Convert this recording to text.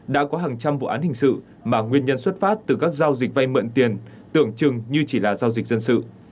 đã có hàng trăm vụ án hình sự mà nguyên nhân xuất phát từ các giao dịch vay mượn tiền tưởng chừng như chỉ là giao dịch dân sự